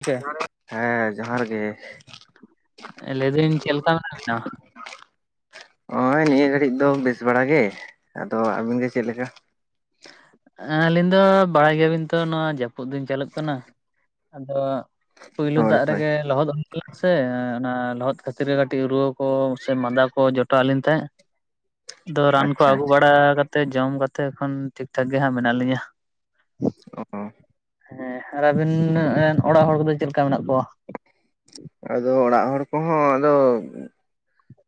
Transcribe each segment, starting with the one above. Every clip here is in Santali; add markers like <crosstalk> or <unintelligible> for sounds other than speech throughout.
ᱪᱤᱠᱟᱹᱭᱟ? ᱦᱮᱸ ᱡᱚᱦᱟᱨ ᱜᱮ᱾ ᱞᱟᱹᱭᱫᱟᱹᱧ ᱪᱮᱫ ᱞᱮᱠᱟ ᱢᱮᱱᱟᱜ ᱵᱤᱱᱟ? ᱚᱸᱜᱼᱚᱭ ᱱᱤᱭᱟᱹ ᱜᱷᱟᱹᱲᱤᱡ ᱫᱚ ᱵᱮᱥ ᱵᱟᱲᱟ ᱜᱮ ᱟᱫᱚ ᱟᱵᱤᱱ ᱜᱮ ᱪᱮᱫ ᱞᱮᱠᱟ? ᱟᱹᱞᱤᱧ ᱫᱚ ᱵᱟᱲᱟᱭ ᱜᱮᱭᱟᱵᱤᱱ ᱛᱚ ᱱᱚᱣᱟ ᱡᱟᱹᱯᱩᱫ ᱫᱤᱱ ᱪᱟᱹᱞᱩᱜ ᱠᱟᱱᱟ ᱟᱫᱚ ᱯᱩᱭᱞᱩ ᱦᱳᱭ ᱫᱟᱜ ᱦᱳᱭ ᱨᱮᱜᱮ ᱞᱚᱦᱚᱫ ᱦᱩᱭᱱᱟ ᱥᱮ ᱚᱱᱟ ᱞᱚᱦᱚᱫ ᱠᱷᱟᱹᱛᱤᱨ ᱜᱮ ᱠᱟᱹᱴᱤᱡ ᱨᱩᱣᱟᱹ ᱠᱚ ᱥᱮ ᱢᱟᱸᱫᱟ ᱠᱚ ᱡᱚᱴᱟᱣ ᱞᱮᱱ ᱛᱟᱦᱮᱸᱫ ᱟᱫᱚ ᱨᱟᱱ ᱠᱚ ᱟᱪᱪᱷᱟ ᱟᱹᱜᱩ ᱟᱪᱪᱷᱟ ᱵᱟᱲᱟ ᱠᱟᱛᱮ ᱡᱚᱢ ᱠᱟᱛᱮ ᱮᱠᱷᱚᱱ ᱴᱷᱤᱠ ᱴᱷᱟᱠ ᱜᱮ ᱦᱟᱸᱜ ᱢᱮᱱᱟᱜ ᱞᱤᱧᱟ᱾ ᱚ᱾ ᱦᱮᱸ ᱟᱨ ᱟᱹᱵᱤᱱ ᱨᱮᱱ ᱚᱲᱟᱜ ᱦᱚᱲ ᱠᱚᱫᱚ ᱪᱮᱫ ᱞᱮᱠᱟ ᱢᱮᱱᱟᱜ ᱠᱚᱣᱟ? ᱟᱫᱚ ᱚᱲᱟᱜ ᱦᱚᱲ ᱠᱚᱦᱚᱸ ᱟᱫᱚ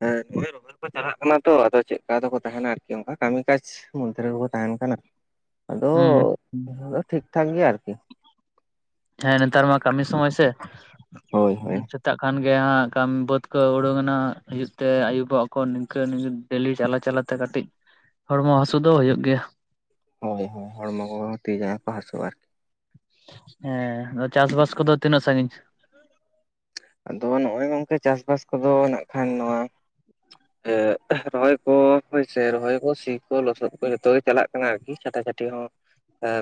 ᱦᱮᱸ ᱚᱭ ᱨᱚᱦᱚᱭ ᱠᱚ ᱪᱟᱞᱟᱜ ᱠᱟᱱᱟ ᱛᱚ ᱟᱫᱚ ᱪᱮᱫᱠᱟ ᱫᱚᱠᱚ ᱛᱟᱦᱮᱸᱱᱟ ᱟᱨᱠᱤ ᱚᱱᱠᱟ ᱠᱟᱹᱢᱤ ᱠᱟᱡ ᱢᱚᱫᱫᱷᱮ ᱨᱮᱜᱮ ᱠᱚ ᱛᱟᱦᱮᱸᱱ ᱠᱟᱱᱟ᱾ ᱟᱫᱚ ᱦᱩᱸ ᱟᱫᱚ ᱴᱷᱤᱠ ᱴᱷᱟᱠ ᱜᱮ ᱟᱨᱠᱤ᱾ ᱦᱮᱸ ᱱᱮᱛᱟᱨ ᱢᱟ ᱠᱟᱹᱢᱤ ᱥᱚᱢᱚᱭ ᱥᱮ ᱦᱳᱭ ᱦᱳᱭ ᱥᱮᱛᱟᱜ ᱠᱷᱟᱱ ᱜᱮ ᱦᱟᱸᱜ ᱠᱟᱹᱢᱤ ᱵᱟᱹᱫᱽ ᱠᱚ ᱩᱰᱩᱠᱮᱱᱟ ᱦᱤᱡᱩᱜ ᱛᱮ ᱟᱭᱩᱵᱚᱜᱼᱟ ᱠᱚ ᱱᱤᱝᱠᱟᱹ <inaudible> ᱰᱮᱞᱤ ᱪᱟᱞᱟ ᱪᱟᱞᱟ ᱛᱮ ᱠᱟᱹᱴᱤᱡ ᱦᱚᱲᱢᱚ ᱦᱟᱥᱩ ᱫᱚ ᱦᱩᱭᱩᱜ ᱜᱮᱭᱟ᱾ ᱦᱚᱭ ᱦᱚᱭ, ᱦᱚᱲᱢᱚ ᱠᱚ ᱛᱤ ᱡᱟᱜᱟᱹ ᱠᱚ ᱦᱟᱹᱥᱩ ᱟᱨᱠᱤ ᱾ ᱦᱮᱸ ᱟᱫᱚ ᱪᱟᱥᱵᱟᱥ ᱠᱚᱫᱚ ᱛᱤᱱᱟᱹᱜ ᱥᱟᱺᱜᱤᱧ? ᱟᱫᱚ ᱱᱚᱜᱼᱚᱭ ᱜᱚᱝᱠᱮ ᱪᱟᱥᱵᱟᱥ ᱠᱚᱫᱚ ᱱᱟᱜ ᱠᱷᱟᱱ ᱱᱚᱣᱟᱼᱼ ᱨᱚᱦᱚᱭ ᱠᱚ ᱦᱳᱭ ᱥᱮ ᱨᱚᱦᱚᱭ ᱠᱚ ᱥᱤ ᱠᱚ ᱞᱚᱥᱚᱫ ᱠᱚ ᱡᱚᱛᱚ ᱜᱮ ᱪᱟᱞᱟᱜᱼᱼ ᱠᱟᱱᱟ, ᱟᱨᱠᱤ ᱪᱷᱟᱴᱟ ᱪᱷᱟᱹᱴᱤ ᱦᱚᱸ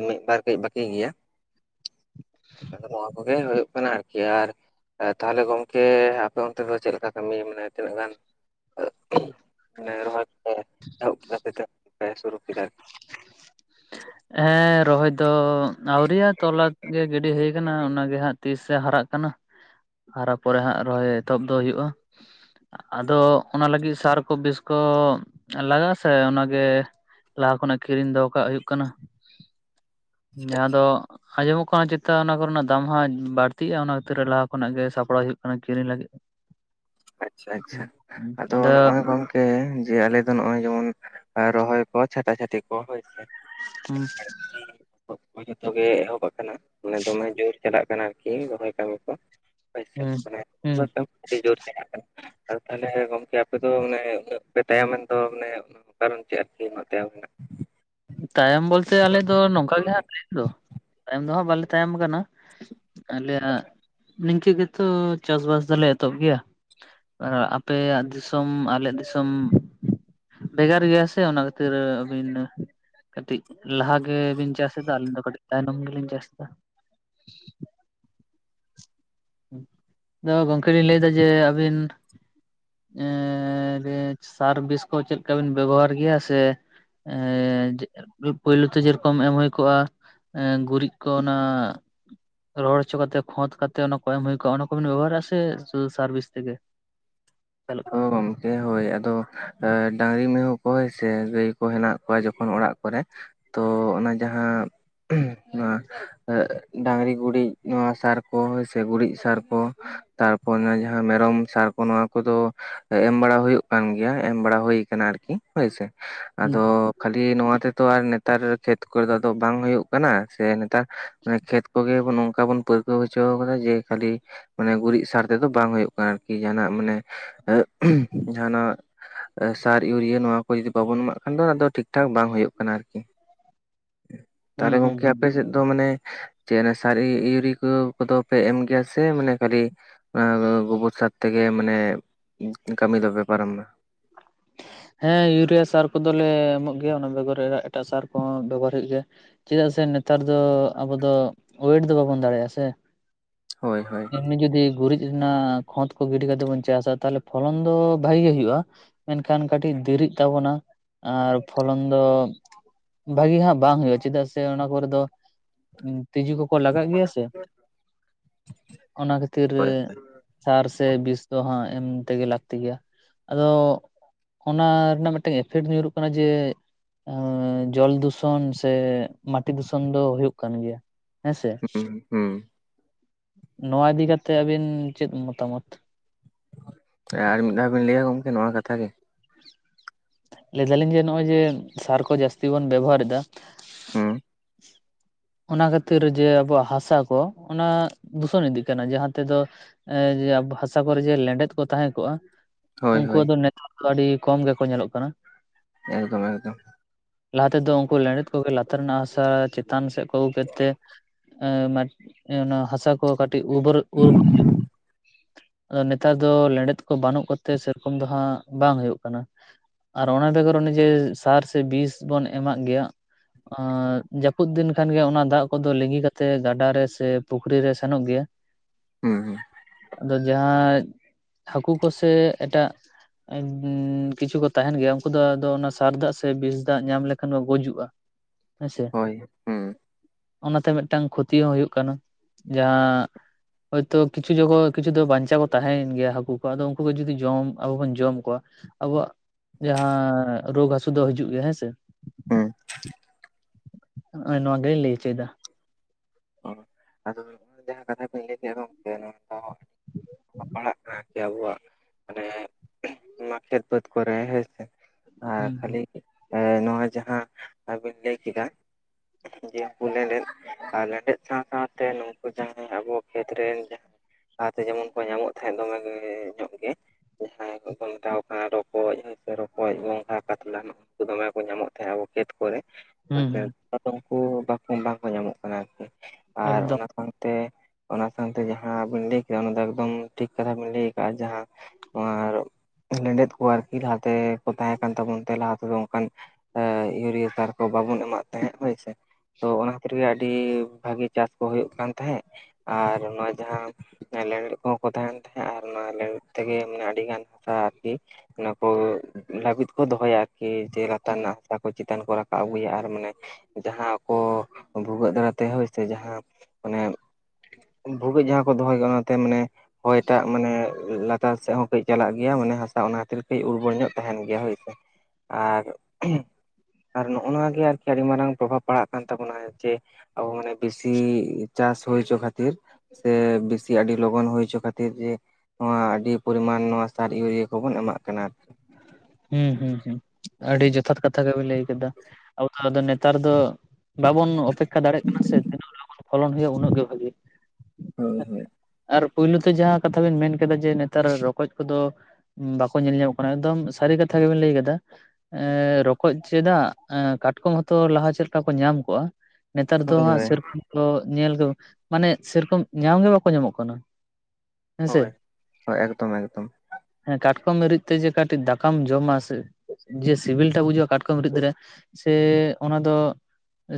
ᱢᱤᱫᱵᱟᱨ ᱠᱟᱹᱡ ᱵᱟᱹᱠᱤ ᱜᱮᱭᱟ ᱾ ᱱᱚᱣᱟ ᱠᱚᱜᱮ ᱦᱩᱭᱩᱜ ᱠᱟᱱᱟ ᱟᱨᱠᱤ ᱟᱨ ᱾ ᱛᱟᱦᱞᱮ ᱜᱚᱝᱠᱮ ᱟᱯᱮ ᱚᱱᱛᱮ ᱫᱚ ᱪᱮᱫ ᱞᱮᱠᱟ ᱠᱟᱹᱢᱤ ᱢᱟᱱᱮ ᱛᱤᱱᱟᱹᱜ ᱜᱟᱱᱼᱼ ᱢᱟᱱᱮ ᱨᱚᱦᱚᱭ ᱠᱚ ᱮᱦᱚᱵ ᱠᱮᱫᱟ ᱥᱮ ᱯᱮ ᱥᱩᱨᱩ ᱠᱮᱫᱟ? ᱦᱮᱸ ᱨᱚᱦᱚᱭ ᱫᱚᱼᱼ ᱟᱹᱣᱨᱤᱭᱟ ᱛᱚᱞᱟ ᱜᱮ ᱜᱤᱰᱤ ᱦᱩᱭ ᱠᱟᱱᱟ, ᱚᱱᱟ ᱜᱮ ᱦᱟᱸᱜ ᱛᱤᱥ ᱦᱟᱨᱟᱜ ᱠᱟᱱᱟ ᱾ ᱦᱟᱨᱟ ᱯᱚᱨᱮ ᱦᱟᱸᱜ ᱨᱚᱦᱚᱭ ᱮᱛᱚᱦᱚᱵ ᱫᱚ ᱦᱩᱭᱩᱜᱼᱟ ᱾ ᱟᱫᱚ ᱚᱱᱟ ᱞᱟᱹᱜᱤᱫ ᱥᱟᱨ ᱠᱚ ᱵᱤᱥ ᱠᱚ ᱞᱟᱜᱟᱜᱼᱟ ᱥᱮ ᱚᱱᱟ ᱜᱮᱼᱼ ᱞᱟᱦᱟ ᱠᱷᱚᱱᱟᱜ ᱠᱤᱨᱤᱧ ᱫᱚᱦᱚ ᱠᱟᱜ ᱦᱩᱭᱩᱜ ᱠᱟᱱᱟ ᱾ ᱡᱟᱦᱟᱸ ᱟᱪᱪᱷᱟ ᱫᱚᱼᱼ ᱟᱸᱡᱚᱢᱚᱜ ᱠᱟᱱᱟ ᱪᱮᱛᱟ ᱚᱱᱟ ᱠᱚᱨᱮᱱᱟᱜ ᱫᱟᱢ ᱦᱚᱸ ᱵᱟᱹᱲᱛᱤᱜᱼᱟ ᱚᱱᱟ ᱠᱷᱟᱹᱛᱤᱨ ᱞᱟᱦᱟ ᱠᱷᱚᱱᱟᱜ ᱜᱮ ᱥᱟᱯᱲᱟᱣ ᱦᱩᱭᱩᱜ ᱠᱟᱱᱟ ᱠᱤᱨᱤᱧ ᱞᱟᱹᱜᱤᱫ ᱾ <unintelligible> ᱟᱪᱪᱷᱟ ᱟᱪᱪᱷᱟ, ᱟᱫᱚ ᱱᱚᱜᱼᱚᱭᱼᱼ ᱡᱮ ᱟᱞᱮᱫ ᱫᱚ ᱱᱚᱜᱼᱚᱭ ᱡᱮᱢᱚᱱ ᱨᱚᱦᱚᱭ ᱠᱚ ᱪᱷᱟᱴᱟ ᱪᱷᱟᱴᱤ ᱠᱚ ᱦᱚᱭ ᱥᱮ ᱾ ᱦᱩᱸ ᱾ <unintelligible> ᱡᱚᱛᱚ ᱜᱮ ᱮᱦᱚᱵ ᱟᱠᱟᱱᱟ, ᱢᱟᱱᱮ ᱫᱚᱢᱮ ᱡᱳᱨ ᱪᱟᱞᱟᱜ ᱠᱟᱱᱟ ᱟᱨᱠᱤ ᱨᱚᱦᱚᱭ ᱠᱟᱹᱢᱤ ᱠᱚ ᱾ ᱦᱮᱸ ᱦᱮᱸ ᱾ ᱡᱳᱨ ᱟᱫᱚ ᱛᱟᱦᱞᱮ ᱜᱚᱝᱠᱮ ᱟᱯᱮ ᱫᱚ ᱢᱟᱱᱮ ᱩᱱᱟᱹᱜᱼᱼ ᱯᱮ ᱛᱟᱭᱚᱢᱮᱱ ᱫᱚ ᱢᱟᱱᱮ ᱚᱱᱟ ᱠᱟᱨᱚᱱ ᱪᱮᱫ ᱟᱨᱠᱤ ᱩᱱᱟᱹ ᱛᱟᱭᱚᱢ ᱨᱮᱱᱟᱜᱼᱼ ᱛᱟᱭᱚᱢ ᱵᱚᱞᱛᱮ ᱟᱞᱮ ᱫᱚ ᱱᱚᱝᱠᱟ ᱜᱮ ᱦᱟᱜ ᱛᱟᱭᱚᱢ ᱫᱚ ᱛᱟᱭᱚᱢ ᱫᱚᱦᱟᱸᱜ ᱵᱟᱞᱮ ᱛᱟᱭᱚᱢ ᱠᱟᱱᱟ ᱾ ᱟᱞᱮᱭᱟᱜ ᱱᱤᱝᱠᱟᱹ ᱜᱮᱛᱚ ᱪᱟᱥᱵᱟᱥ ᱫᱚᱞᱮ ᱮᱛᱚᱦᱚᱵ ᱜᱮᱭᱟ ᱾ ᱟᱯᱮᱭᱟᱜ ᱫᱤᱥᱚᱢ ᱟᱞᱮ ᱫᱤᱥᱚᱢᱼᱼ ᱵᱷᱮᱜᱟᱨ ᱜᱮᱭᱟ ᱥᱮ ᱚᱱᱟ ᱠᱷᱟᱹᱛᱤᱨ ᱟᱹᱵᱤᱱᱼᱼ ᱠᱟᱹᱴᱤᱡ ᱞᱟᱦᱟ ᱜᱮ ᱵᱤᱱ ᱪᱟᱥ ᱮᱫᱟ ᱾ ᱟᱹᱞᱤᱧ ᱫᱚ ᱠᱟᱹᱴᱤᱡᱼᱼ ᱛᱟᱭᱱᱚᱢ ᱜᱮ ᱞᱤᱧ ᱪᱟᱥ ᱮᱫᱟ ᱾ ᱟᱫᱚ ᱜᱚᱢᱠᱮ ᱞᱤᱧ ᱞᱟᱹᱭ ᱮᱫᱟ ᱡᱮ ᱟᱹᱵᱤᱱᱼᱼ ᱮ ᱵᱮ ᱥᱟᱨ ᱵᱤᱥ ᱠᱚ ᱪᱮᱫ ᱞᱮᱠᱟ ᱵᱤᱱ ᱵᱮᱵᱚᱦᱟᱨ ᱜᱮᱭᱟ ᱥᱮ ᱾ ᱮᱸ ᱯᱩᱭᱞᱳ ᱛᱮ ᱡᱮᱨᱚᱠᱚᱢ ᱮᱢ ᱦᱩᱭ ᱠᱚᱜᱼᱟ ᱜᱩᱨᱤᱡ ᱠᱚ ᱚᱱᱟᱼᱼ ᱨᱚᱦᱚᱲ ᱦᱚᱪᱚ ᱠᱟᱛᱮ ᱠᱷᱚᱛ ᱠᱟᱛᱮ ᱚᱱᱟ ᱠᱚ ᱮᱢ ᱦᱩᱭ ᱠᱚᱜᱼᱟ ᱚᱱᱟ ᱠᱚᱵᱮᱱ ᱵᱮᱵᱚᱦᱟᱨᱮᱜ-ᱟ ᱥᱮ ᱥᱩᱫᱷᱩ ᱥᱟᱨ ᱵᱤᱥ ᱛᱮᱜᱮ ᱾ <inaudible> ᱦᱚᱸ ᱜᱚᱢᱠᱮ ᱦᱚᱭ ᱟᱫᱚ, ᱰᱟᱝᱨᱤ ᱢᱤᱦᱩ ᱠᱚ ᱦᱳᱭ ᱥᱮ ᱜᱟᱹᱭ ᱠᱚ ᱦᱮᱱᱟᱜᱼᱼ ᱠᱚᱣᱟ ᱡᱚᱠᱷᱚᱱ ᱚᱲᱟᱜ ᱠᱚᱨᱮ ᱛᱚ ᱚᱱᱟ ᱡᱟᱦᱟᱸᱼᱼ <inaudible> ᱮᱜ ᱰᱟᱝᱨᱤ ᱜᱩᱨᱤᱡ ᱱᱚᱣᱟ ᱥᱟᱨ ᱠᱚ ᱦᱳᱭ ᱥᱮ ᱜᱩᱨᱤᱡ ᱥᱟᱨ ᱠᱚᱼᱼ ᱛᱟᱨᱯᱚᱨ ᱱᱚᱣᱟ ᱡᱟᱦᱟᱸ ᱢᱮᱨᱚᱢ ᱥᱟᱨ ᱠᱚ ᱱᱚᱣᱟᱼᱼ ᱠᱚᱫᱚ ᱮᱢ ᱵᱟᱲᱟ ᱦᱩᱭᱩᱜ ᱠᱟᱱ ᱜᱮᱭᱟ, ᱮᱢ ᱵᱟᱲᱟ ᱦᱩᱭ ᱟᱠᱟᱱᱟ ᱟᱨᱠᱤ ᱦᱳᱭ ᱥᱮ ᱾ ᱦᱩᱸ ᱟᱫᱚ ᱠᱷᱟᱹᱞᱤ ᱱᱚᱣᱟ ᱛᱮ ᱛᱚ ᱟᱨ ᱱᱮᱛᱟᱨ ᱠᱷᱮᱛ ᱠᱚᱨᱮ ᱫᱚ ᱟᱫᱚ ᱵᱟᱝ ᱦᱩᱭᱩᱜ ᱠᱟᱱᱟ ᱾ ᱥᱮ ᱱᱮᱛᱟᱨᱼᱼ ᱢᱟᱱᱮ ᱠᱷᱮᱛ ᱠᱚᱜᱮ ᱱᱚᱝᱠᱟ ᱵᱚᱱ ᱯᱟ. ᱨᱼᱼ ᱠᱟᱹᱣ ᱦᱚᱪᱚᱣ ᱠᱟᱫᱟ ᱡᱮ ᱠᱷᱟᱹᱞᱤ ᱢᱟᱱᱮ ᱜᱩᱨᱤᱡ ᱥᱟᱨ ᱛᱮᱫᱚ ᱵᱟᱝ ᱦᱩᱭᱩᱜ ᱠᱟᱱᱟ ᱟᱨᱠᱤ ᱡᱟᱦᱟᱱᱟᱜ ᱢᱟᱱᱮ ᱾ <unintelligible> ᱡᱟᱦᱟᱸ ᱱᱟᱸᱜᱼᱼ ᱥᱟᱨ ᱤᱭᱩᱨᱤᱭᱟᱹ ᱱᱚᱣᱟ ᱠᱚ ᱡᱚᱫᱤ ᱵᱟᱵᱚᱱ ᱮᱢᱟᱜ ᱠᱷᱟᱱ ᱫᱚ ᱚᱱᱟ ᱫᱚ ᱴᱷᱤᱠᱴᱷᱟᱠ ᱵᱟᱝ ᱦᱩᱭᱩᱜ ᱠᱟᱱᱟ ᱟᱨᱠᱤ <inaudible> ᱛᱟᱦᱚᱞᱮ ᱦᱩᱸ ᱜᱚᱝᱠᱮ ᱦᱩᱸ ᱟᱯᱮ ᱥᱮᱫ ᱫᱚ ᱢᱟᱱᱮ ᱪᱮᱫ ᱚᱱᱟ ᱥᱟᱨᱤ ᱤᱭᱩᱨᱤ ᱠᱚ ᱠᱚᱫᱚ ᱯᱮ ᱮᱢ ᱜᱮᱭᱟ ᱥᱮ ᱢᱟᱱᱮ ᱠᱷᱟᱹᱞᱤ ᱚᱱᱟ ᱫᱚ ᱜᱳᱵᱚᱨ ᱥᱟᱨ ᱛᱮᱜᱮ ᱢᱟᱱᱮ ᱠᱟᱹᱢᱤ ᱫᱚ ᱯᱮ ᱯᱟᱨᱚᱢ ᱮᱫᱟ᱾ <inaudible> ᱦᱮᱸ ᱤᱭᱩᱨᱤᱭᱟ ᱥᱟᱨ ᱠᱚᱫᱚ ᱞᱮ ᱮᱢᱚᱜ ᱜᱮᱭᱟ ᱚᱱᱟ ᱵᱮᱜᱚᱨ ᱮᱨᱟᱜ ᱮᱴᱟᱜ ᱥᱟᱨ ᱠᱚᱦᱚᱸ ᱵᱮᱵᱚᱦᱟᱨ ᱦᱩᱭᱩᱜ ᱜᱮᱭᱟ᱾ ᱪᱮᱫᱟᱜ ᱥᱮ ᱱᱮᱛᱟᱨ ᱫᱚ ᱟᱵᱚ ᱫᱚ ᱳᱭᱮᱴ ᱫᱚ ᱵᱟᱵᱚᱱ ᱫᱟᱲᱮᱭᱟᱜᱼᱟ ᱥᱮ ᱦᱳᱭ ᱦᱳᱭ ᱮᱢᱱᱤ ᱡᱩᱫᱤ ᱜᱩᱨᱤᱡ ᱨᱮᱱᱟᱜ ᱠᱷᱚᱛ ᱠᱚ ᱜᱤᱰᱤ ᱠᱟᱛᱮ ᱵᱚᱱ ᱪᱟᱥᱟ ᱛᱟᱦᱚᱞᱮ ᱯᱷᱚᱞᱚᱱ ᱫᱚ ᱵᱷᱟᱜᱤ ᱜᱮ ᱦᱩᱭᱩᱜᱼᱟ᱾ ᱢᱮᱱᱠᱷᱟᱱ ᱠᱟᱹᱴᱤᱡ ᱫᱤᱨᱤᱜ ᱛᱟᱵᱚᱱᱟ ᱟᱨ ᱯᱷᱚᱞᱚᱱ ᱫᱚ ᱵᱷᱟᱜᱤ ᱦᱟᱸᱜ ᱵᱟᱝ ᱦᱩᱭᱩᱜᱼᱟ ᱪᱮᱫᱟᱜ ᱥᱮ ᱚᱱᱟ ᱠᱚᱨᱮ ᱫᱚ ᱛᱤᱡᱩ ᱠᱚᱠᱚ ᱞᱟᱜᱟᱜ ᱜᱮᱭᱟ ᱥᱮ ᱚᱱᱟ ᱠᱷᱟᱹᱛᱤᱨ ᱦᱳᱭ ᱦᱳᱭ ᱥᱟᱨ ᱥᱮ ᱵᱤᱥ ᱫᱚ ᱦᱟᱸᱜ ᱮᱢ ᱛᱮᱜᱮ ᱞᱟᱹᱠᱛᱤ ᱜᱮᱭᱟ᱾ ᱟᱫᱚ ᱚᱱᱟ ᱨᱮᱱᱟᱜ ᱢᱤᱫᱴᱮᱱ ᱮᱯᱷᱮᱠᱴ ᱧᱩᱨᱩᱜ ᱠᱟᱱᱟ ᱡᱮ ᱮᱸ ᱡᱚᱞ ᱫᱷᱩᱥᱚᱱ ᱥᱮ ᱢᱟᱴᱤ ᱫᱩᱥᱚᱱ ᱫᱚ ᱦᱩᱭᱩᱜ ᱠᱟᱱ ᱜᱮᱭᱟ᱾ ᱦᱮᱸᱥᱮ ᱦᱩᱸ ᱦᱩᱸ ᱱᱚᱣᱟ ᱤᱫᱤ ᱠᱟᱛᱮ ᱟᱹᱵᱤᱱ ᱪᱮᱫ ᱢᱚᱛᱟᱢᱚᱛ ᱦᱮᱸ ᱟᱨ ᱢᱤᱫ ᱫᱷᱟᱣ ᱵᱮᱱ ᱞᱟᱹᱭᱟ ᱜᱚᱢᱠᱮ ᱱᱚᱣᱟ ᱠᱟᱛᱷᱟ ᱜᱮ ᱞᱟᱹᱭ ᱮ ᱫᱟᱞᱤᱧ ᱡᱮ ᱱᱚᱜᱼᱚᱭ ᱡᱮ ᱥᱟᱨ ᱠᱚ ᱡᱟᱹᱥᱛᱤ ᱵᱚᱱ ᱵᱮᱵᱚᱦᱟᱨ ᱮᱫᱟ᱾ ᱦᱩᱸ ᱚᱱᱟ ᱠᱷᱟᱹᱛᱤᱨ ᱡᱮ ᱟᱵᱚᱣᱟᱜ ᱦᱟᱥᱟ ᱠᱚ ᱚᱱᱟ ᱫᱷᱩᱥᱚᱱ ᱤᱫᱤᱜ ᱠᱟᱱᱟ ᱡᱟᱦᱟᱸ ᱛᱮᱫᱚ ᱮᱸ ᱡᱮ ᱟᱵᱚ ᱦᱟᱥᱟ ᱠᱚᱨᱮ ᱡᱮ ᱞᱮᱸᱰᱮᱛ ᱠᱚ ᱛᱟᱦᱮᱸ ᱠᱚᱜᱼᱟ᱾ ᱦᱳᱭ ᱩᱝᱠᱩ ᱦᱳᱭ ᱟᱫᱚ ᱱᱮᱛᱟᱨ ᱫᱚ ᱟᱹᱰᱤ ᱠᱚᱢ ᱜᱮᱠᱚ ᱧᱮᱞᱚᱜ ᱠᱟᱱᱟ᱾ ᱮᱠᱫᱚᱢ ᱮᱠᱫᱚᱢ ᱞᱟᱦᱟ ᱛᱮᱫᱚ ᱩᱱᱠᱩ ᱞᱮᱸᱰᱮᱛ ᱠᱚᱜᱮ ᱞᱟᱛᱟᱨ ᱨᱮᱱᱟᱜ ᱦᱟᱥᱟ ᱪᱮᱛᱟᱱ ᱥᱮᱫ ᱠᱚ ᱟᱹᱜᱩ ᱠᱮᱫᱛᱮ ᱚᱱᱟ ᱦᱟᱥᱟ ᱠᱚ ᱠᱟᱹᱴᱤᱡ ᱩᱵᱟᱹᱨ ᱩᱨᱵ ᱧᱚᱜ <unintelligible> ᱟᱫᱚ ᱱᱮᱛᱟᱨ ᱫᱚ ᱞᱮᱸᱰᱮᱛ ᱠᱚ ᱵᱟᱹᱱᱩᱜ ᱠᱚᱛᱮ ᱥᱮᱨᱚᱠᱚᱢ ᱫᱚ ᱦᱟᱸᱜ ᱵᱟᱝ ᱦᱳᱭᱳᱜ ᱠᱟᱱᱟ᱾ ᱟᱨ ᱚᱱᱟ ᱵᱮᱜᱚᱨ ᱚᱱᱮ ᱡᱮ ᱥᱟᱨ ᱥᱮ ᱵᱤᱥ ᱵᱚᱱ ᱮᱢᱟᱜ ᱜᱮᱭᱟ᱾ ᱟᱨ ᱡᱟᱹᱯᱩᱫ ᱫᱤᱱ ᱢᱮᱱ ᱠᱷᱟᱱ ᱜᱮ ᱚᱱᱟ ᱫᱟᱜ ᱠᱚᱫᱚ ᱞᱤᱸᱜᱤ ᱠᱟᱛᱮᱜ ᱜᱟᱰᱟᱨ ᱨᱮ ᱥᱮ ᱯᱩᱠᱷᱨᱤ ᱨᱮ ᱥᱮᱱᱚᱜ ᱜᱮᱭᱟ᱾ ᱦᱩᱸ ᱦᱩᱸ ᱟᱫᱚ ᱡᱟᱦᱟᱸ ᱦᱟᱹᱠᱩ ᱠᱚᱥᱮ ᱮᱴᱟᱜ ᱠᱤᱪᱷᱩ ᱠᱚ ᱛᱟᱦᱮᱱ ᱜᱮᱭᱟ ᱩᱱᱠᱩ ᱫᱚ ᱟᱫ ᱚᱱᱟ ᱥᱟᱨ ᱫᱟᱜ ᱥᱮ ᱵᱤᱥ ᱫᱟᱜ ᱧᱟᱢ ᱞᱮᱠᱷᱟᱱ ᱠᱚ ᱜᱩᱡᱩᱜᱼᱟ᱾ ᱟᱪᱪᱷᱟ᱾ ᱦᱳᱭ ᱦᱩᱸ ᱚᱱᱟᱛᱮ ᱢᱤᱫᱴᱟᱝ ᱠᱷᱚᱛᱤ ᱦᱚᱸ ᱦᱳᱭᱳᱜ ᱠᱟᱱᱟ ᱡᱟᱦᱟᱸ ᱦᱳᱭᱛᱳ ᱠᱤᱪᱷᱩ ᱡᱚᱜᱚ ᱠᱤᱪᱷᱩ ᱫᱚ ᱵᱟᱧᱪᱟ ᱠᱚ ᱛᱟᱦᱮᱟᱸᱭᱮᱱ ᱜᱮᱭᱟ ᱦᱟᱹᱠᱩ ᱠᱚ ᱟᱫᱚ ᱩᱱᱠᱩ ᱜᱤ ᱡᱩᱫᱤ ᱡᱚᱢ ᱟᱵᱚ ᱵᱚᱱ ᱡᱚᱢ ᱠᱚᱣᱟ ᱟᱵᱚᱣᱟᱜ ᱡᱟᱦᱟᱸ ᱨᱚᱜ ᱦᱟᱹᱥᱩ ᱫᱚ ᱦᱤᱡᱩᱜ ᱜᱮᱭᱟ ᱦᱮᱸᱥᱮ ᱦᱩᱸ ᱱᱚᱜᱼᱚᱭ ᱱᱚᱣᱟ ᱜᱮᱭ ᱞᱟᱹᱭ ᱚᱪᱚᱭᱮᱫᱟ᱾ ᱚ ᱟᱫᱚ ᱢᱤᱜᱦᱚᱲ ᱡᱟᱦᱟᱸ ᱠᱟᱛᱷᱟ ᱠᱚᱸᱧ ᱞᱟᱹᱭ ᱜᱮᱫ <unintelligible> ᱥᱮ ᱟᱵᱩᱣᱟᱜ ᱚᱱᱟ ᱠᱷᱮᱛ ᱵᱟᱹᱫ ᱠᱚᱨᱮ ᱦᱮᱸ ᱥᱮ ᱦᱩᱸ ᱦᱩᱸ ᱮᱸ ᱱᱚᱣᱟ ᱡᱟᱦᱟᱸ ᱟᱹᱵᱤᱱ ᱞᱟᱹᱭ ᱠᱮᱫᱟ᱾ ᱡᱮ ᱵᱚᱞᱮ ᱞᱮᱫ ᱟᱨ ᱞᱮᱸᱰᱮᱫ ᱥᱟᱶ ᱼ ᱥᱟᱶ ᱛᱮ ᱦᱟᱠᱩ ᱡᱟᱦᱟᱸ ᱛᱟᱦᱟᱸ ᱟᱠᱚ ᱠᱷᱮᱛ ᱨᱮ ᱞᱟᱦᱟᱛᱮ ᱡᱮᱢᱚᱱ ᱠᱚ ᱧᱟᱢᱚᱜ ᱛᱟᱦᱮᱸᱫ ᱫᱚᱢᱮ ᱜᱮ, ᱧᱚᱜ ᱡᱟᱦᱟᱸᱭ ᱠᱚ ᱢᱮᱛᱟ ᱠᱚ ᱠᱟᱱᱟ ᱨᱚᱠᱚᱡ ᱦᱮᱸᱥᱮ ᱨᱚᱠᱚᱡ ᱜᱚᱸᱜᱷᱟ ᱠᱟᱛᱞᱟ ᱱᱩᱠᱩ ᱫᱚᱢᱮ ᱠᱚ ᱧᱟᱢᱚᱜ ᱦᱩᱸ ᱦᱩᱸ ᱟᱫ ᱩᱱᱠᱩ ᱵᱟᱠᱚ ᱵᱟᱠᱚ ᱧᱟᱢᱚᱜ ᱠᱟᱱᱟ ᱟᱨᱠᱤ ᱟᱨ ᱮᱠᱫᱚᱢ ᱚᱱᱟ ᱥᱟᱶᱛᱮ ᱚᱱᱟ ᱥᱟᱶᱛᱮ ᱡᱟᱦᱟᱸ ᱵᱤᱱᱰᱤ ᱠᱟᱱᱟ ᱚᱱᱟ ᱫᱚ ᱮᱠᱫᱚᱢ ᱴᱷᱤᱠ ᱠᱟᱛᱷᱟ ᱵᱮᱤᱱ ᱞᱟᱹᱭ ᱟᱠᱟᱫᱼᱟ ᱡᱟᱦᱟᱸ ᱚᱱᱟ ᱟᱨ ᱞᱮᱸᱰᱮᱫ ᱠᱚ ᱟᱨ ᱞᱟᱦᱟᱛᱮ ᱠᱚ ᱛᱟᱦᱮᱸ ᱛᱟᱦᱮᱸ ᱠᱟᱱ ᱛᱟᱵᱚᱱ ᱛᱮ ᱞᱟᱦᱟ ᱛᱮᱫᱚ ᱚᱱᱠᱟᱱ ᱮᱸ ᱤᱭᱩᱨᱤᱭᱟᱹ ᱥᱟᱨ ᱠᱚ ᱵᱟᱵᱚᱱ ᱮᱢᱟᱫ ᱛᱟᱦᱮᱸᱫ ᱦᱳᱭ ᱥᱮ ᱛᱚ ᱚᱱᱟ ᱠᱷᱟᱹᱛᱤᱨ ᱜᱮ ᱟᱹᱰᱤ ᱵᱷᱟᱜᱤ ᱪᱟᱥ ᱠᱚ ᱦᱩᱭᱩᱜ ᱠᱟᱱ ᱛᱟᱦᱮᱸᱫ ᱟᱨ ᱱᱚᱣᱟ ᱡᱟᱦᱟᱸ ᱢᱮ ᱮᱱ ᱡᱚᱦᱚᱸᱜ ᱠᱚᱦᱚᱸ ᱠᱚ ᱛᱟᱦᱮᱱ ᱛᱟᱦᱮᱸᱫ ᱟᱨ ᱚᱱᱟ ᱞᱟᱹᱜᱤᱫ ᱛᱮᱜᱮᱞ ᱚᱱᱟ ᱟᱹᱰᱤ ᱜᱟᱱ ᱦᱟᱥᱟ ᱟᱨᱠᱤ ᱚᱱᱟ ᱠᱚ ᱞᱟᱹᱵᱤᱫ ᱠᱚ ᱫᱚᱦᱚᱭᱟ ᱟᱨᱠᱤ ᱡᱮ ᱞᱟᱛᱟᱨ ᱨᱮᱱᱟᱜ ᱦᱟᱥᱟ ᱠᱚ ᱪᱮᱛᱟᱱ ᱠᱚ ᱨᱟᱠᱟᱵ ᱟᱹᱜᱩᱭᱟ ᱟᱨ ᱢᱟᱱᱮ ᱡᱟᱦᱟᱸ ᱠᱚ ᱵᱷᱩᱜᱟᱹᱜ ᱫᱟᱨᱟ ᱛᱮᱦᱳᱭ ᱥᱮ ᱡᱟᱦᱟᱸ ᱢᱟᱱᱮ ᱵᱷᱩᱜᱤ ᱡᱟᱦᱟᱸ ᱠᱚ ᱫᱚᱦᱚᱭ ᱜᱮ ᱚᱱᱟᱛᱮ ᱢᱟᱱᱮ ᱦᱚᱭᱫᱟᱜ ᱢᱟᱱᱮ ᱞᱟᱛᱟᱨ ᱥᱮᱫ ᱦᱚᱸ ᱠᱟᱹᱡ ᱪᱟᱞᱟᱜ ᱜᱮᱭᱟ ᱢᱟᱱᱮ ᱦᱟᱥᱟ ᱚᱱᱟ ᱠᱷᱟᱹᱛᱤᱨ ᱠᱟᱹᱡ ᱩᱨᱵᱚᱨ ᱧᱚᱜ ᱛᱟᱦᱮᱱ ᱜᱮᱭᱟ ᱦᱳᱭ ᱥᱮ ᱟᱨ ᱟᱨ ᱱᱚᱜᱱᱚᱣᱟ ᱜᱮ ᱟᱨᱠᱤ ᱟᱹᱰᱤ ᱢᱟᱨᱟᱝ ᱯᱨᱚᱵᱷᱟᱵᱽ ᱯᱟᱲᱟᱜ ᱠᱟᱱ ᱛᱟᱵᱚᱱᱟ ᱡᱮ ᱟᱵᱚ ᱢᱟᱱᱮ ᱵᱮᱥᱤ ᱪᱟᱥ ᱦᱩᱭ ᱪᱚ ᱠᱷᱟᱹᱛᱤᱨ ᱥᱮ ᱵᱮᱥᱤ ᱟᱹᱰᱤ ᱞᱚᱜᱚᱱ ᱦᱩᱭ ᱦᱚᱪᱚ ᱠᱷᱟᱹᱛᱤᱨ ᱡᱮ ᱱᱚᱜᱟ ᱟᱹᱰᱤ ᱯᱚᱨᱤᱢᱟᱱ ᱱᱚᱣᱟ ᱥᱟᱨ ᱤᱭᱩᱨᱤᱭᱟᱹ ᱠᱚᱵᱚᱱ ᱮᱢᱟᱜ ᱠᱟᱱᱟ ᱟᱨ ᱦᱩᱸ ᱦᱩᱸ ᱦᱩᱸ, ᱟᱹᱰᱤ ᱡᱚᱛᱷᱟᱛ ᱠᱟᱛᱷᱟ ᱜᱮᱵᱤᱱ ᱞᱟᱹᱭ ᱠᱥᱫᱟ, ᱟᱵᱚ ᱫᱚ ᱟᱫᱚ ᱱᱮᱛᱟᱨ ᱫᱚ ᱵᱟᱵᱚᱱ ᱚᱯᱮᱠᱷᱟ ᱫᱟᱲᱮᱭᱟᱜ ᱠᱟᱱᱟ ᱥᱮ ᱛᱤᱱᱟᱹᱜ ᱞᱚ ᱯᱷᱚᱞᱚᱱ ᱦᱩᱭᱩᱜᱼᱟ ᱩᱱᱟᱹᱜ ᱜᱮ ᱵᱷᱟᱜᱤ ᱦᱳᱭ ᱦᱳᱭ ᱾ ᱟᱨ ᱯᱩᱭᱞᱩ ᱛᱮ ᱡᱟᱦᱟᱸ ᱠᱟᱛᱷᱟ ᱵᱮᱱ ᱢᱮᱱ ᱠᱮᱫᱟ ᱡᱮ ᱱᱮᱛᱟᱨ ᱨᱚᱠᱚᱡ ᱠᱚᱫᱚ ᱵᱟᱠᱚ ᱧᱮᱞ ᱧᱟᱢ ᱚᱱᱟ ᱮᱠᱫᱚᱢ ᱥᱟᱹᱨᱤ ᱠᱟᱛᱷᱟ ᱜᱮᱵᱮᱱ ᱞᱟᱹᱭ ᱠᱟᱫᱟ, ᱮᱸ ᱨᱚᱠᱚᱡ ᱪᱮᱫᱟᱜ ᱠᱟᱴᱠᱚᱢ ᱦᱚᱛᱚ ᱞᱟᱦᱟ ᱪᱮᱫ ᱞᱮᱠᱟ ᱠᱚ ᱧᱟᱢ ᱠᱚᱜᱼᱟ ᱱᱮᱛᱟᱨ ᱫᱚ ᱦᱳᱭ ᱦᱟᱸᱜ ᱦᱳᱭ ᱥᱮᱨᱚᱠᱚᱢ ᱫᱚ ᱧᱮᱞ ᱜᱮ ᱢᱟᱱᱮ ᱥᱮᱨᱚᱠᱚᱢ ᱧᱟᱢ ᱜᱮ ᱵᱟᱠᱚ ᱧᱟᱢᱚᱜ ᱠᱟᱱᱟ ᱾ ᱦᱳᱭ ᱦᱳᱭ ᱮᱠᱫᱚᱢ ᱮᱠᱫᱚᱢ ᱾ ᱦᱮᱸ ᱠᱟᱴᱠᱚᱢ ᱨᱤᱫ ᱛᱮ ᱡᱮ ᱠᱟᱹᱴᱤᱡ ᱫᱟᱠᱟᱢ ᱡᱚᱢᱟ ᱥᱮ ᱡᱮ ᱥᱤᱵᱤᱞᱴᱟ ᱵᱩᱡᱷᱟᱹᱜ-ᱟ ᱠᱟᱴᱠᱚᱢ ᱨᱤᱫ ᱨᱮ ᱥᱮ ᱚᱱᱟ ᱫᱚ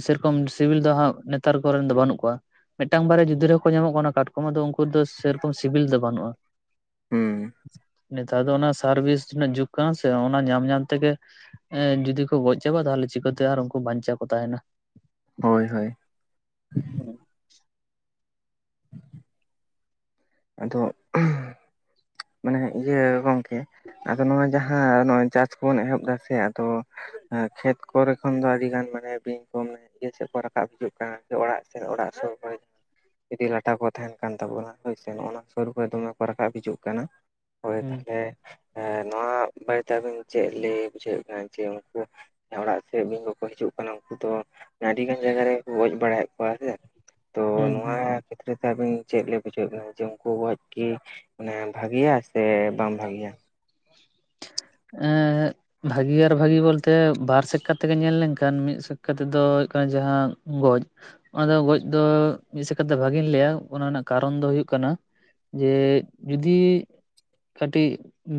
ᱥᱮᱨᱚᱠᱚᱢ ᱥᱤᱵᱤᱞ ᱫᱚ ᱦᱟᱸᱜ ᱱᱮᱛᱟᱨ ᱠᱚᱨᱮᱱ ᱫᱚ ᱵᱟᱹᱱᱩᱜ ᱠᱚᱣᱟ, ᱢᱤᱫᱴᱟᱝ ᱵᱟᱨᱭᱟ ᱡᱩᱫᱟᱹ ᱨᱮᱠᱚ ᱧᱟᱢᱚᱜ ᱠᱟᱱᱟ ᱠᱟᱴᱠᱚᱢ ᱟᱫᱚ ᱩᱱᱠᱩ ᱫᱚ ᱥᱮᱨᱚᱠᱚᱢ ᱥᱤᱵᱤᱞ ᱫᱚ ᱵᱟᱹᱱᱩᱜ-ᱟ ᱾ ᱦᱩᱸ ᱾ ᱱᱮᱛᱟᱨ ᱫᱚ ᱚᱱᱟ ᱥᱟᱨᱵᱤᱥ ᱨᱮᱱᱟᱜ ᱡᱩᱜ ᱠᱟᱱᱟ ᱥᱮ ᱚᱱᱟ ᱧᱟᱢ ᱧᱟᱞ ᱛᱮᱜᱮ ᱮᱸ ᱡᱩᱫᱤ ᱠᱚ ᱜᱚᱡ ᱪᱟᱵᱟᱜ-ᱟ ᱛᱟᱦᱞᱮ ᱪᱤᱠᱟᱹᱛᱮ ᱟᱨ ᱩᱱᱠᱩ ᱵᱟᱧᱪᱟᱣ ᱠᱚ ᱛᱟᱦᱮᱱᱟ ᱾ ᱦᱳᱭ ᱦᱳᱭ ᱾ ᱟᱫᱚ ᱢᱟᱱᱮ ᱤᱭᱟᱹ ᱜᱚᱝᱠᱮ ᱟᱫᱚ ᱱᱚᱣᱟ ᱡᱟᱦᱟᱸ ᱱᱚᱜᱼᱚᱭ ᱪᱟᱥ ᱠᱚᱵᱚᱱ ᱮᱦᱚᱵ ᱫᱟ ᱥᱮ ᱟᱫᱚ ᱠᱷᱮᱛ ᱠᱚᱨᱮ ᱠᱷᱚᱱ ᱫᱚ ᱟᱹᱰᱤ ᱜᱟᱱ ᱢᱟᱱᱮ ᱵᱤᱧ ᱠᱚ ᱤᱭᱟᱹ ᱥᱮᱫ ᱠᱚ ᱨᱟᱠᱟᱵ ᱦᱤᱡᱩᱜ ᱠᱟᱱᱟ ᱥᱮ ᱚᱲᱟᱜ ᱥᱮᱫ ᱚᱲᱟᱜ ᱥᱩᱨ ᱠᱚᱨᱮ ᱤᱫᱤ ᱞᱟᱴᱟ ᱠᱚ ᱛᱟᱦᱮᱱ ᱠᱟᱱ ᱛᱟᱵᱚᱱᱟ ᱦᱳᱭ ᱥᱮ ᱱᱚᱜ-ᱚ ᱱᱟ ᱥᱟᱹᱨᱩ ᱠᱷᱚᱡ ᱫᱚᱢᱮ ᱠᱚ ᱨᱟᱠᱟᱵ ᱦᱤᱡᱩᱜ ᱠᱟᱱᱟ ᱦᱳᱭ ᱦᱩᱸ ᱛᱟᱦᱞᱮ ᱦᱮᱸ ᱱᱚᱣᱟ ᱵᱟᱨᱮᱹ ᱛᱮ ᱟᱵᱤᱱ ᱪᱮᱫ ᱞᱟᱹᱭ ᱵᱩᱡᱷᱟᱹᱣᱮᱫ ᱵᱮᱱᱟ ᱡᱮ ᱩᱱᱠᱩ ᱚᱲᱟᱜ ᱥᱮᱫ ᱵᱤᱧ ᱠᱚᱠᱚ ᱦᱤᱡᱩᱜ ᱠᱟᱱᱟ ᱩᱱᱠᱩ ᱛᱚ ᱟᱰᱤ ᱜᱟᱱ ᱡᱟᱭᱜᱟ ᱨᱮᱜᱮ ᱠᱚ ᱜᱚᱡ ᱵᱟᱲᱟᱭᱮᱫ ᱠᱚᱣᱟ ᱥᱮ ᱛᱚ ᱦᱩᱸ ᱱᱚᱣᱟ ᱦᱩᱸ ᱠᱷᱮᱛᱨᱮ ᱛᱮ ᱟᱵᱤᱱ ᱪᱮᱫ ᱵᱩᱡᱷᱟᱹᱜ ᱠᱟᱱᱟ ᱡᱮ ᱩᱱᱠᱩ ᱜᱚᱡ ᱠᱤ ᱢᱟᱱᱮ ᱵᱷᱟᱜᱮᱭᱟ ᱥᱮ ᱵᱟᱝ ᱵᱷᱟᱜᱮᱭᱟ ᱮᱻᱫ ᱵᱷᱟᱹᱜᱤ ᱟᱨ ᱵᱷᱟᱹᱜᱤ ᱵᱚᱞᱛᱮ ᱵᱟᱨ ᱥᱮᱫ ᱠᱟᱛᱮ ᱜᱮ ᱧᱮᱞ ᱞᱮᱱᱠᱷᱟᱱ ᱢᱤᱫ ᱥᱮᱫ ᱠᱟᱛᱮ ᱫᱚ ᱦᱩᱭᱩᱜ ᱠᱟᱱᱟ ᱡᱟᱦᱟᱸ ᱜᱚᱡ ᱚᱱᱟᱫᱚ ᱜᱚᱡ ᱫᱚ ᱢᱤᱫ ᱥᱮᱫ ᱠᱷᱟᱫ ᱫᱚ ᱵᱷᱟᱜᱤᱧ ᱞᱟᱹᱭᱟ ᱚᱱᱟ ᱨᱮᱱᱟᱜ ᱠᱟᱨᱚᱱ ᱫᱚ ᱦᱩᱭᱩᱜ ᱠᱟᱱᱟ ᱡᱮ ᱡᱩᱫᱤ ᱠᱟᱹᱴᱤᱡ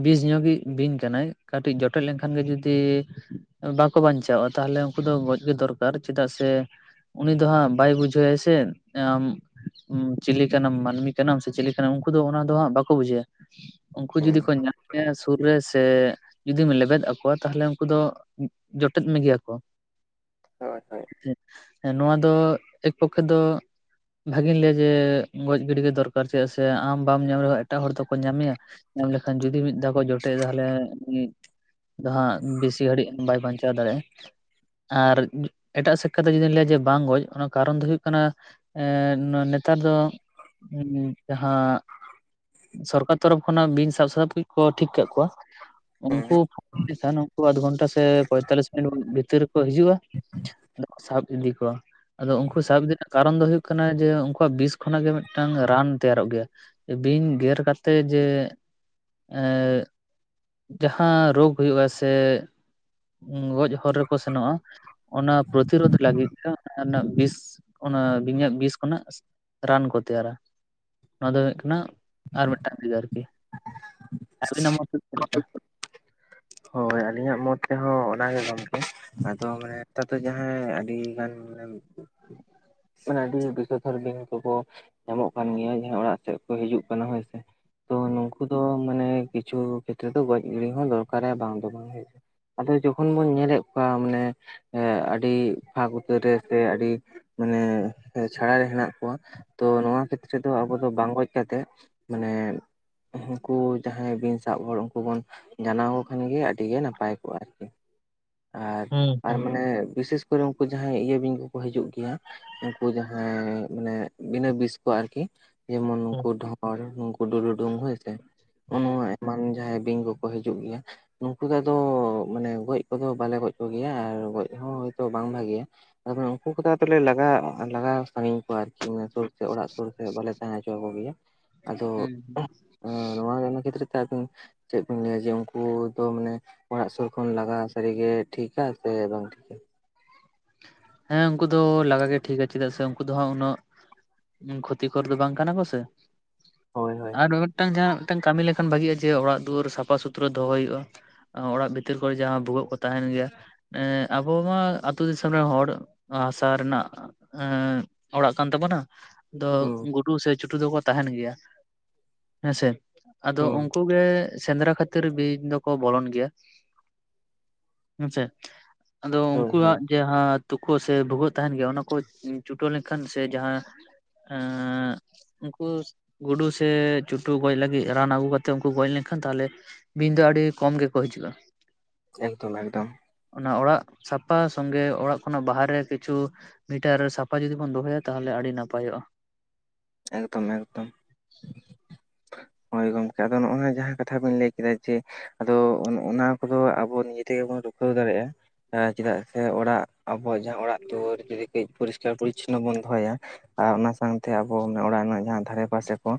ᱵᱤᱥ ᱧᱚᱜᱤᱡ ᱵᱤᱧ ᱠᱟᱱᱟᱭ ᱠᱟᱹᱴᱤᱡ ᱡᱚᱴᱮᱫ ᱞᱮᱱᱠᱷᱟᱱ ᱜᱮ ᱡᱩᱫᱤ ᱵᱟᱠᱚ ᱵᱟᱧᱪᱟᱣᱚᱜ-ᱟ ᱛᱟᱦᱞᱮ ᱩᱱᱠᱩ ᱫᱚ ᱜᱚᱡ ᱜᱮ ᱫᱚᱨᱠᱟᱨ ᱪᱮᱫᱟᱜ ᱥᱮ ᱩᱱᱤ ᱫᱚ ᱦᱟᱸᱜ ᱵᱟᱭ ᱵᱩᱡᱷᱟᱹᱣᱮᱜ-ᱟ ᱥᱮ ᱟᱢ ᱪᱤᱞᱤ ᱠᱟᱱᱟᱢ ᱢᱟᱹᱱᱢᱤ ᱠᱟᱱᱟᱢ ᱥᱮ ᱪᱤᱞᱤ ᱠᱟᱱᱟᱢ ᱩᱱᱠᱩ ᱫᱚ ᱚᱱᱟ ᱫᱚ ᱦᱟᱸᱜ ᱵᱟᱠᱚ ᱵᱩᱡᱷᱟᱹᱭᱟ ᱩᱱᱠᱩ ᱦᱩᱸ ᱡᱩᱫᱤ ᱠᱚ ᱧᱟᱢ ᱢᱮᱭᱟ ᱥᱩᱨ ᱨᱮ ᱥᱮ ᱡᱩᱫᱤᱢ ᱞᱮᱵᱮᱫ ᱟᱠᱚᱣᱟ ᱛᱟᱦᱚᱞᱮ ᱩᱱᱠᱩ ᱫᱚ ᱡᱚᱴᱮᱫ ᱢᱮᱜᱮᱭᱟᱠᱚ ᱦᱳᱭ ᱦᱳᱭ ᱱᱚᱣᱟ ᱫᱚ ᱮᱠ ᱯᱚᱠᱠᱷᱮ ᱫᱚ ᱵᱷᱟᱜᱤᱧ ᱞᱟᱹᱭᱟ ᱡᱮ ᱜᱚᱡ ᱜᱤᱰᱤ ᱜᱮ ᱫᱚᱨᱠᱟᱨ ᱪᱮᱫᱟᱜ ᱥᱮ ᱟᱢ ᱵᱟᱢ ᱧᱟᱢ ᱨᱮᱦᱚᱸ ᱮᱴᱟᱜ ᱦᱚᱲ ᱫᱚᱠᱚ ᱧᱟᱢᱮᱭᱟ ᱧᱟᱢ ᱞᱮᱠᱷᱟᱱ ᱡᱩᱫᱤ ᱢᱤᱫ ᱫᱷᱟᱣ ᱠᱚ ᱡᱚᱴᱮᱫ ᱮᱫᱟ ᱛᱟᱞᱦᱮ ᱩᱱᱤ ᱟᱫᱚ ᱦᱟᱸᱜ ᱵᱮᱥᱤ ᱜᱷᱟᱹᱲᱤᱡ ᱵᱟᱭ ᱵᱟᱧᱪᱟᱣ ᱫᱟᱲᱮᱭᱟᱜ ᱟᱨ ᱮᱴᱟᱜ ᱥᱮᱫ ᱠᱷᱚᱫ ᱫᱚ ᱡᱩᱫᱤᱧ ᱞᱟᱹᱭᱟ ᱡᱮ ᱵᱟᱝ ᱜᱚᱡ ᱚᱱᱟ ᱠᱟᱨᱚᱱ ᱫᱚ ᱦᱩᱭᱩᱜ ᱠᱟᱱᱟ ᱮᱻᱫ ᱱᱮᱛᱟᱨ ᱫᱚ ᱡᱟᱦᱟᱸ ᱥᱚᱨᱠᱟᱨ ᱛᱚᱨᱚᱯᱷ ᱠᱷᱚᱱᱟᱜ ᱵᱤᱧ ᱥᱟᱵ ᱥᱟᱯ ᱠᱩᱭᱤᱡ ᱠᱚ ᱴᱷᱤᱠ ᱠᱟᱜ ᱠᱚᱣᱟ ᱦᱮᱸ ᱩᱱᱠᱩ ᱮᱱᱠᱷᱟᱱ ᱩᱱᱠᱩ ᱟᱫᱷ ᱜᱷᱚᱱᱴᱟ ᱥᱮ ᱯᱚᱭᱛᱟᱞᱞᱤᱥ ᱢᱤᱱᱤᱴ ᱵᱷᱤᱛᱤᱨ ᱨᱮᱠᱚ ᱦᱤᱡᱩᱜ-ᱟ ᱥᱟᱵ ᱤᱫᱤ ᱠᱚᱣᱟ ᱟᱫᱚ ᱩᱱᱠᱩ ᱥᱟᱵ ᱤᱫᱤ ᱨᱮᱱᱟᱜ ᱠᱟᱨᱚᱱ ᱫᱚ ᱦᱳᱭᱳᱜ ᱠᱟᱱᱟ ᱡᱮ ᱩᱱᱠᱩᱣᱟᱜ ᱵᱤᱥ ᱠᱷᱚᱱᱟᱜ ᱜᱮ ᱢᱤᱫᱴᱟᱝ ᱨᱟᱱ ᱛᱮᱭᱟᱨᱚᱜ ᱜᱮᱭᱟ ᱵᱤᱧ ᱜᱮᱨ ᱠᱟᱛᱮᱜ ᱡᱮ ᱮᱜ ᱡᱟᱦᱟᱸ ᱨᱳᱜᱽ ᱦᱩᱭᱩᱜ-ᱟ ᱥᱮ ᱜᱚᱡ ᱦᱚᱨ ᱨᱮᱠᱚ ᱥᱮᱱᱚᱜ-ᱟ ᱚᱱᱟ ᱯᱨᱚᱛᱤᱨᱳᱫᱷ ᱞᱟᱹᱜᱤᱫ <inaudible> ᱵᱤᱥ ᱚᱱᱟ ᱵᱤᱧᱟᱜ ᱵᱤᱥ ᱠᱷᱚᱱᱟᱜ ᱨᱟᱱ ᱠᱚ ᱛᱮᱭᱟᱨᱟ ᱱᱚᱣᱟ ᱫᱚ ᱦᱩᱭᱩᱜ ᱠᱟᱱᱟ ᱟᱨ ᱢᱤᱫᱴᱟᱱ ᱵᱷᱮᱜᱟᱨ ᱟᱨᱠᱤ ᱟᱹᱵᱤᱱᱟᱜ ᱢᱚᱛ ᱫᱚ ᱪᱮᱫ ᱞᱮᱠᱟ ᱦᱳᱭ ᱟᱹᱞᱤᱧᱟᱜ ᱢᱚᱛ ᱛᱮᱦᱚᱸ ᱚᱱᱟᱜᱮ ᱜᱚᱝᱠᱮ ᱟᱫᱚ ᱢᱟᱱᱮ ᱱᱮᱛᱟᱨ ᱫᱚ ᱡᱟᱦᱟᱸᱭ ᱟᱹᱰᱤ ᱜᱟᱱ ᱢᱟᱱᱮ <unintelligible> ᱢᱟᱱᱮ ᱟᱹᱰᱤ ᱵᱤᱥᱟᱹᱛᱷᱚᱨ ᱜᱮ ᱱᱩᱠᱩ ᱠᱚ ᱧᱟᱢᱚᱜ ᱠᱟᱱ ᱜᱮᱭᱟ ᱡᱮ ᱚᱲᱟᱜ ᱥᱮᱫ ᱠᱚ ᱦᱤᱡᱩᱜ ᱠᱟᱱᱟ ᱦᱳᱭ ᱥᱮ ᱛᱚ ᱱᱩᱝᱠᱩ ᱫᱚ ᱢᱟᱱᱮ ᱠᱤᱪᱷᱩ ᱠᱷᱮᱛᱨᱮ ᱫᱚ ᱜᱚᱡ ᱜᱤᱲᱤ ᱦᱚᱸ ᱫᱚᱨᱠᱟᱨᱟ ᱵᱟᱝ ᱫᱚ ᱵᱟᱝ ᱟᱫᱚ ᱡᱚᱠᱷᱚᱱ ᱵᱚᱱ ᱧᱮᱞᱮᱫ ᱠᱚᱣᱟ ᱢᱟᱱᱮ ᱮ ᱟᱹᱰᱤ ᱯᱷᱟᱠ ᱩᱛᱟᱹᱨ ᱨᱮ ᱥᱮ ᱟᱹᱰᱤ ᱢᱟᱱᱮ ᱪᱷᱟᱲ ᱦᱮᱱᱟᱜ ᱠᱚᱣᱟ ᱛᱚ ᱱᱚᱣᱟ ᱠᱷᱮᱛᱨᱮ ᱫᱚ ᱟᱵᱚ ᱫᱚ ᱵᱟᱝ ᱜᱚᱡ ᱠᱟᱛᱮᱜ ᱢᱟᱱᱮ ᱩᱱᱠᱩ ᱡᱟᱦᱟᱸᱭ ᱵᱤᱧ ᱥᱟᱵ ᱦᱚᱲ ᱩᱱᱠᱩ ᱵᱚᱱ ᱡᱟᱱᱟᱣ ᱠᱷᱟᱱ ᱜᱮ ᱟᱹᱰᱤ ᱜᱮ ᱱᱟᱯᱟᱭ ᱠᱚᱜᱼᱟ ᱟᱨᱠᱤ ᱟᱨ ᱦᱩᱸ ᱟᱨ ᱦᱩᱸ ᱢᱟᱱᱮ ᱵᱤᱥᱮᱥ <unintelligible> ᱩᱱᱠᱩ ᱡᱟᱦᱟᱸᱭ ᱤᱭᱟᱹ ᱵᱤᱧ ᱠᱚᱠᱚ ᱦᱤᱡᱩᱜ ᱜᱮᱭᱟ ᱩᱱᱠᱩ ᱡᱟᱦᱟᱸᱭ ᱢᱟᱱᱮ ᱵᱤᱱᱟᱹ ᱵᱤᱥ ᱠᱚ ᱟᱨᱠᱤ ᱡᱮᱢᱚᱱ ᱦᱩᱸ ᱱᱩᱠᱩ ᱰᱷᱚᱸᱨ ᱱᱩᱠᱩ ᱰᱩᱞᱩᱰᱩᱝ ᱦᱳᱭ ᱥᱮ ᱦᱩᱸ ᱚ-ᱱᱚᱣᱟ ᱢᱟᱱ ᱡᱟᱦᱟᱸᱭ ᱵᱤᱧ ᱠᱚᱠᱚ ᱦᱤᱡᱩᱜ ᱜᱮᱭᱟ ᱱᱩᱠᱩ ᱫᱚ ᱟᱫᱚ ᱢᱟᱱᱮ ᱜᱚᱡ ᱠᱚᱫᱚ ᱵᱟᱞᱮ ᱜᱚᱡ ᱠᱚᱜᱮᱭᱟ ᱟᱨ ᱜᱚᱡ ᱦᱚᱸ ᱦᱚᱭᱛᱳ ᱵᱟᱝ ᱵᱷᱟᱜᱮᱭᱟ᱾ ᱟᱫᱚ ᱩᱱᱠᱩ ᱠᱚᱫᱚ ᱟᱫᱚ ᱞᱮ ᱞᱟᱜᱟ ᱞᱟᱜᱟ ᱥᱟᱹᱜᱤᱧ ᱠᱚᱣᱟ ᱟᱨᱠᱤ᱾ ᱥᱤᱢᱟᱹ ᱥᱳᱨ ᱛᱮ ᱚᱲᱟᱜ ᱥᱳᱨ ᱥᱮᱜ ᱵᱟᱞᱮ ᱛᱟᱦᱮᱸ ᱦᱚᱪᱚ ᱟᱠᱚ ᱜᱮᱭᱟ ᱟᱫᱚ ᱦᱩᱸ ᱱᱚᱣᱟ ᱜᱮ ᱚᱱᱟ ᱠᱷᱮᱛᱨᱮ ᱛᱮ ᱟᱹᱵᱤᱱ ᱪᱮᱫ ᱵᱤᱱ ᱞᱟᱹᱭᱟ ᱡᱮ ᱩᱱ ᱠᱩ ᱫᱚ ᱢᱟᱱᱮ ᱚᱲᱟᱜ ᱥᱳᱨ ᱠᱷᱚᱱ ᱞᱟᱜᱟ ᱥᱟᱹᱨᱤᱜᱮ ᱴᱷᱤᱠ-ᱟ ᱥᱮ ᱵᱟᱝ ᱴᱷᱤᱠ-ᱟ? ᱦᱮᱸ ᱩᱱᱠᱩ ᱫᱚ ᱞᱟᱜᱟ ᱜᱮ ᱴᱷᱤᱠᱟ ᱪᱮᱫᱟᱜ ᱥᱮ ᱠᱩ ᱫᱚ ᱦᱟᱸᱜ ᱩᱱᱟᱹᱜ ᱠᱷᱚᱛᱤᱠᱚᱨ ᱫᱚ ᱵᱟᱝ ᱠᱟᱱᱟ ᱠᱚ ᱥᱮ᱾ ᱦᱳᱭ ᱦᱳᱭ ᱟᱨ ᱢᱤᱫᱴᱟᱝ ᱡᱟᱦᱟᱸ ᱢᱤᱫᱴᱟᱝ ᱠᱟᱹᱢᱤ ᱞᱮᱠᱷᱟᱱ ᱵᱷᱟᱜᱤᱜᱼᱟ ᱡᱮ ᱚᱲᱟᱜ ᱫᱩᱣᱟᱹᱨ ᱥᱟᱯᱷᱟ ᱥᱩᱛᱽᱨᱟᱹ ᱫᱚᱦᱚᱭ ᱦᱩᱭᱩᱜᱼᱟ᱾ ᱚᱲᱟᱜ ᱵᱷᱤᱛᱤᱨ ᱠᱚᱨᱮ ᱡᱟᱦᱟᱸ ᱵᱷᱩᱜᱟᱹᱜ ᱠᱚ ᱛᱟᱦᱮᱸᱱ ᱜᱮᱭᱟ ᱮᱸᱜ ᱟᱵᱚ ᱢᱟ ᱟ ᱛᱩ ᱫᱤᱥᱚᱢ ᱨᱮᱱ ᱦᱚᱲ ᱦᱟᱥᱟ ᱨᱮᱱᱟᱜ ᱮᱸᱜ ᱚᱲᱟᱜ ᱠᱟᱱ ᱛᱟᱵᱚᱱᱟ, ᱫᱚ ᱦᱩᱸ ᱜᱩᱰᱩ ᱥᱮ ᱪᱩᱴᱩ ᱫᱚᱠᱚ ᱛᱟᱦᱮᱸᱱ ᱜᱮᱭᱟ ᱦᱮᱸᱥᱮ ᱟᱫᱚ ᱦᱩᱸ ᱩᱱ ᱠᱩ ᱜᱮ ᱥᱮᱸᱫᱽᱨᱟ ᱠᱷᱟᱹᱛᱤᱨ ᱵᱤᱧ ᱫᱚᱠᱚ ᱵᱚᱞᱚᱱ ᱜᱮᱭᱟ᱾ ᱦᱮᱸᱥᱮ ᱟᱫᱚ ᱦᱳᱭ ᱦᱳᱭ ᱩᱱᱠᱩᱣᱟᱜ ᱦᱟᱸᱜ ᱛᱩᱠᱟᱹ ᱥᱮ ᱵᱷᱩᱜᱟᱹᱜ ᱛᱟᱦᱮᱸᱱ ᱜᱮᱭᱟ ᱚᱱᱟ ᱠᱚ ᱪᱩᱴᱟᱹ ᱞᱮᱱᱠᱷᱟᱱ ᱥᱮ ᱡᱟᱦᱟᱸ ᱮᱸᱜ ᱩᱱᱠᱩ ᱜᱩᱰᱩ ᱥᱮ ᱪᱩᱴᱩ ᱜᱚᱡ ᱞᱟᱹᱜᱤᱫ ᱨᱟᱱ ᱟᱹᱜᱩ ᱠᱟᱛᱮᱜ ᱩᱱᱠᱩ ᱜᱚᱡ ᱞᱮᱱᱠᱷᱟᱱ ᱛᱟᱦᱚᱞᱮ ᱵᱤᱧ ᱫᱚ ᱟᱹᱰᱤ ᱠᱚᱢ ᱜᱮᱠᱚ ᱦᱤᱡᱩᱜᱼᱟ᱾ ᱮᱠᱫᱚᱢ ᱮᱠᱫᱚᱢ᱾ ᱚᱱᱟ ᱚᱲᱟᱜ ᱥᱟᱯᱟ ᱠᱷᱚᱱ ᱜᱮ ᱚᱲᱟᱜ ᱠᱷᱚᱱᱟᱜ ᱵᱟᱦᱟᱨᱮ ᱠᱤᱪᱷᱩ ᱢᱤᱴᱟᱨ ᱥᱟᱯᱷᱟ ᱡᱩᱫᱤ ᱵᱚᱱ ᱫᱚᱦᱚᱭᱟ ᱛᱟᱦᱚᱞᱮ ᱟᱹᱰᱤ ᱱᱟᱯᱟᱭᱚᱜᱼᱟ᱾ ᱮᱠᱫᱚᱢ ᱮᱠᱫᱚᱢ᱾ ᱦᱳᱭ ᱜᱚᱢᱠᱮ ᱟᱫᱚ ᱱᱚᱜᱼᱚᱭ ᱡᱟᱦᱟᱸ ᱠᱟᱛᱷᱟ ᱵᱤᱱ ᱞᱟᱹᱭ ᱠᱮᱫᱟ ᱡᱮ ᱟᱫᱚ ᱚᱱ ᱚᱱᱟ ᱠᱚᱫᱚ ᱟᱵᱚ ᱱᱤᱡᱮ ᱛᱮᱜᱮ ᱵᱚᱱ ᱨᱩᱠᱟᱹᱣ ᱫᱟᱲᱮᱜᱼᱟ᱾ ᱦᱮᱸ ᱪᱮᱫᱟᱜ ᱥᱮ ᱚᱲᱟᱜ ᱟᱵᱚᱣᱟᱜ ᱡᱟᱦᱟᱸ ᱚᱲᱟᱜ ᱫᱩᱣᱟᱹᱨ ᱡᱩᱫᱤ ᱠᱟᱹᱡ ᱯᱚᱨᱤᱥᱠᱟᱨ ᱯᱚᱨᱤᱪᱪᱷᱚᱱᱱᱚ ᱵᱚᱱ ᱫᱚᱦᱚᱭᱟ ᱟᱨ ᱚᱱᱟ ᱥᱟᱝᱛᱮ ᱟᱵᱚ ᱚᱱᱟ ᱚᱲᱟᱜ ᱨᱮᱱᱟᱜ ᱡᱟᱦᱟᱸ ᱫᱷᱟᱨᱮ ᱯᱟᱥᱮ ᱠᱚ